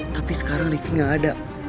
tapi sekarang ricky gak ada